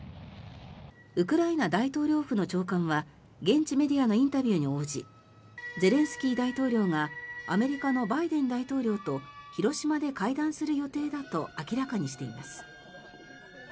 ウクライナ大統領府の長官は現地メディアのインタビューに応じゼレンスキー大統領がアメリカのバイデン大統領と広島で会談する予定だと明らかにしています。